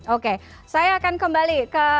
oke saya akan kembali ke